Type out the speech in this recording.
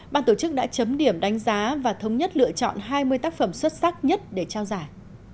ban tổ chức đã chấm điểm đánh giá và thống nhất lựa chọn hai mươi tác phẩm xuất sắc nhất để trao giải